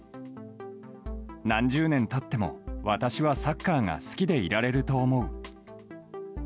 何十年経っても、私はサッカーが好きでいられると思う。